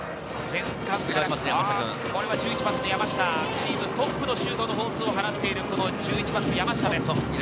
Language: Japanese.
１１番の山下、チームトップのシュートの本数を放っている１１番の山下です。